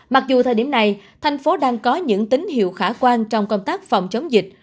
mặc dù thời điểm này thành phố đang có những tín hiệu khả quan trong công tác phòng chống dịch